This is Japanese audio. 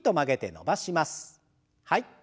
はい。